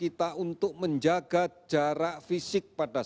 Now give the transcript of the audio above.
masih ada kelompok masyarakat rentan yang belum menyadari